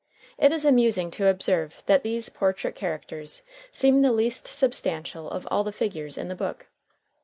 It is amusing to observe that these portrait characters seem the least substantial of all the figures in the book.